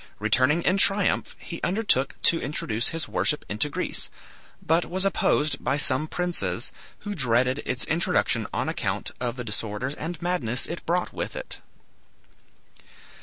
Returning in triumph, he undertook to introduce his worship into Greece, but was opposed by some princes, who dreaded its introduction on account of the disorders and madness it brought with it.